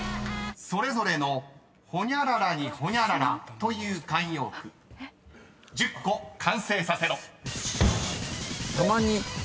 ［それぞれの「ホニャララにホニャララ」という慣用句１０個完成させろ］